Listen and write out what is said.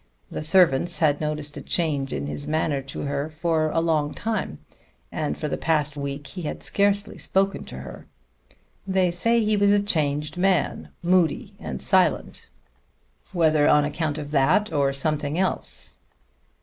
The servants had noticed a change in his manner to her for a long time, and for the past week he had scarcely spoken to her. They say he was a changed man, moody and silent whether on account of that or something else.